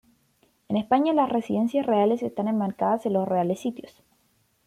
En España las residencias reales están enmarcadas en los Reales Sitios.